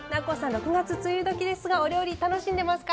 ６月梅雨どきですがお料理楽しんでますか？